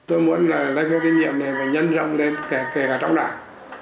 tôi muốn là lấy phiếu tín nhiệm này và nhân rộng lên kể cả trong đảng